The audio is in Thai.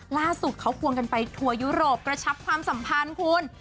ล่าสุดเขาควงกันไปทัวร์ยุโรปกระชับความสัมพันธ์คุณ